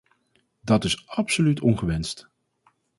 Dat is absoluut ongewenst!